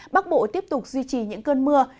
bắc bộ tiếp tục duy trì những cơn mưa